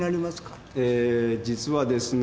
えー実はですね。